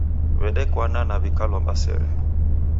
W'edekwana na w'ikalomba sere.